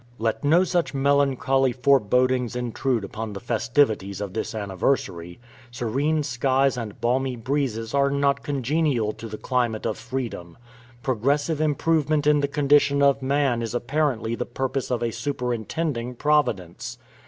Let no such melancholy forebodings intrude upon the festivities of this anniversary. Serene skies and balmy breezes are not congenial to the climate of freedom. Progressive improvement in the condition of man is apparently the purpose of a superintending Providence.